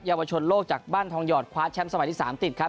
ยาวชนโลกจากบ้านทองหยอดคว้าแชมป์สมัยที่๓ติดครับ